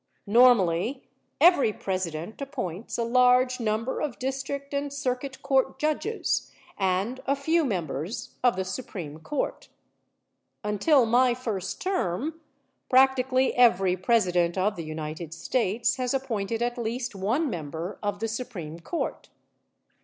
Normally every President appoints a large number of district and circuit court judges and a few members of the Supreme Court. Until my first term practically every President of the United States has appointed at least one member of the Supreme Court.